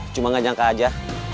cuma gak nyangka aja